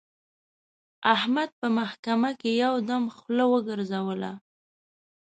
احمد په محکمه کې یو دم خوله وګرځوله.